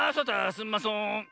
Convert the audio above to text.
すんまそん。